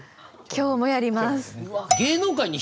今日もやります。